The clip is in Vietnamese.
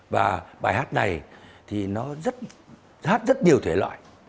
và bài hát này thì nó hát rất nhiều thể loại